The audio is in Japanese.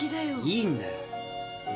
いいんだよ。